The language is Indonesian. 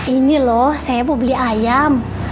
ini loh saya mau beli ayam